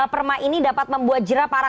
perma ini dapat membuat jerah para